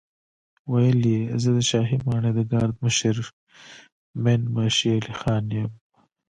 ويې ويل: زه د شاهي ماڼۍ د ګارد مشر مين باشي علی خان يم.